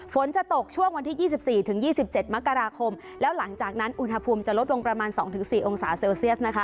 ฝนจะตกช่วงวันที่ยี่สิบสี่ถึงยี่สิบเจ็ดมกราคมแล้วหลังจากนั้นอุณหภูมิจะลดลงประมาณสองถึงสี่องศาเซลเซียสนะคะ